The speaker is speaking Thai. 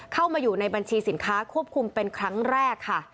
เข้ามาอยู่ในบัญชีสินค้าควบคุมเป็นครั้งแรกค่ะ